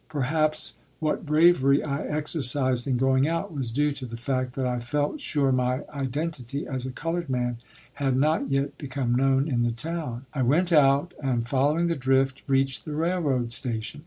Perhaps what bravery I exercised in going out was due to the fact that I felt sure my identity as a colored man had not yet become known in the town. I went out and, following the drift, reached the railroad station.